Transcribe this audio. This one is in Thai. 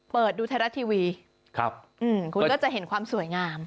เปิดดูไทยรัฐทีวีคุณก็จะเห็นความสวยงาม